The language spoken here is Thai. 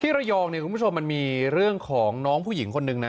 ที่ระยองมันมีเรื่องของน้องผู้หญิงคนหนึ่งนะ